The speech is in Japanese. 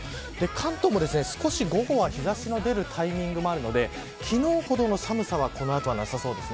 関東も少し午後は日差しも出るタイミングもあるので昨日ほどの寒さはこの後はなさそうです。